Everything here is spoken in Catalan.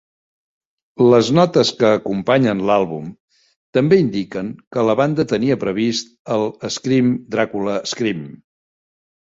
Les notes que acompanyen l'àlbum també indiquen que la banda tenia previst el Scream, Dracula, Scream!